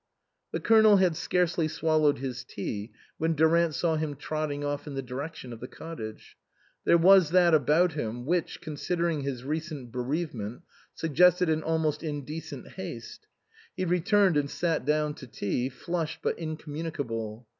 The Colonel had scarcely swallowed his tea when Durant saw him trotting off in the direc tion of the cottage ; there was that about him which, considering his recent bereavement, sug gested an almost indecent haste. He returned and sat down to dinner, flushed but incommuni cable.